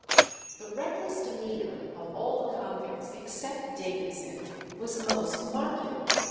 The reckless demeanour of all the convicts except Davidson was most marked.